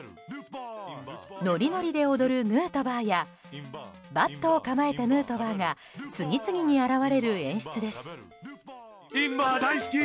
ノリノリで踊るヌートバーやバットを構えたヌートバーが次々に現れる演出です。